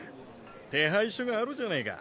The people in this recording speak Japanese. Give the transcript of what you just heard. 手配書があるじゃねぇか。